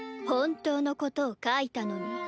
本当のことを書いたのに。